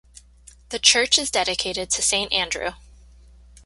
The church is dedicated to Saint Andrew.